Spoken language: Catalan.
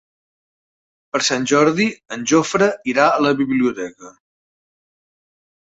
Per Sant Jordi en Jofre irà a la biblioteca.